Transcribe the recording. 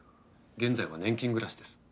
現在は年金暮らしです。